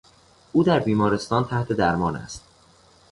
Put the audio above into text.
او در بیمارستان تحت درمان است.